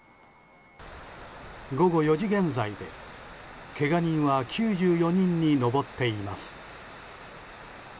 午後４時現在で、けが人は９４人に上っています。